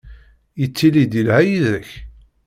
Yettili-d yelha yid-k?